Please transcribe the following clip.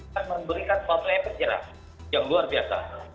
karena memberikan suatu efek jerah yang luar biasa